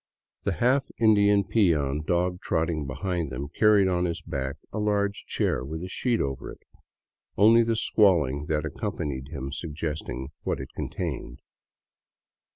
The half Indian peon dog trot ting behind them carried on his back a large chair with a sheet over it, only the squalling that accompanied him suggesting what it con cealed.